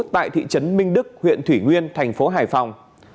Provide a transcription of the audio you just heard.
tại thị trấn minh đức huyện thủy nguyên thành phố hải phòng